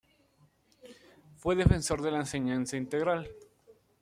Fue defensor de la enseñanza integral.